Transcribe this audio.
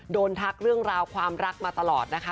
ทักเรื่องราวความรักมาตลอดนะคะ